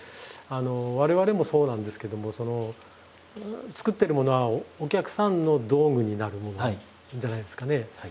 我々もそうなんですけどもそのつくってるものはお客さんの道具になるものじゃないですかね。